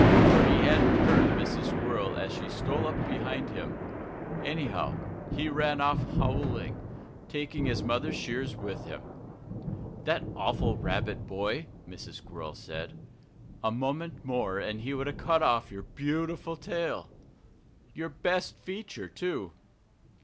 For he hadn't heard Mrs. Squirrel as she stole up behind him. Anyhow, he ran off howling, taking his mother's shears with him. "That awful Rabbit boy!" Mrs. Squirrel said. "A moment more and he would have cut off your beautiful tail your best feature, too!"